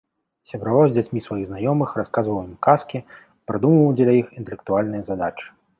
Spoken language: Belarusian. Сябраваў з дзяцьмі сваіх знаёмых, расказваў ім казкі, прадумваў дзеля іх інтэлектуальныя задачы.